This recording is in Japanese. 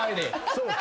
そうか。